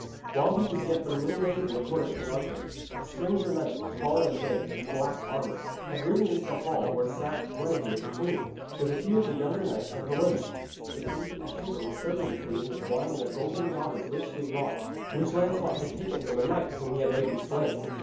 While he was yet but a little way from the court of King Arthur, a stranger knight, tall and big, in black armour, had ridden into the hall where sat Gwenevere the queen, with a few of the younger knights and her women. The page of the chamber was serving the queen with wine in a golden goblet richly wrought, which Lancelot had taken from a knight whom he had lately slain.